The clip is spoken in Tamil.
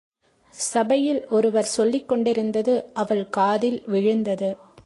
சபையில் ஒருவர் சொல்லிக் கொண்டிருந்தது அவள் காதில் விழுந்தது.